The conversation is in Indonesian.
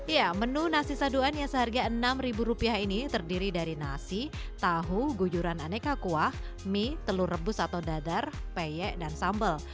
ya menu nasi saduan yang seharga rp enam ini terdiri dari nasi tahu gujuran aneka kuah mie telur rebus atau dadar peyek dan sambal